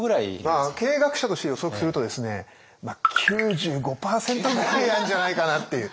経営学者として予測するとですね９５％ぐらいなんじゃないかなっていう。